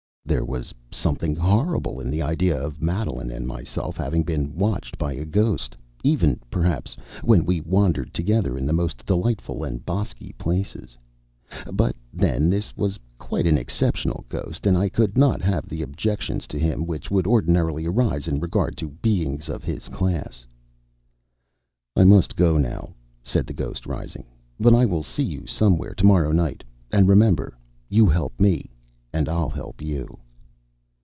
There was something horrible in the idea of Madeline and myself having been watched by a ghost, even, perhaps, when we wandered together in the most delightful and bosky places. But, then, this was quite an exceptional ghost, and I could not have the objections to him which would ordinarily arise in regard to beings of his class. "I must go now," said the ghost, rising: "but I will see you somewhere to morrow night. And remember you help me, and I'll help you."